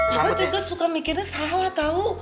mama juga suka mikirnya salah tau